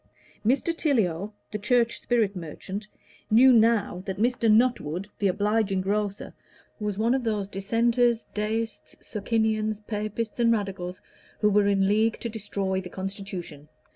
Mr. Tiliot, the Church spirit merchant, knew now that Mr. Nuttwood, the obliging grocer, was one of those Dissenters, Deists, Socinians, Papists, and Radicals, who were in league to destroy the Constitution.